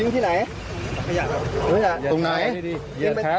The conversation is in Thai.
ตอนนี้เป็นงานที่สมสั่ง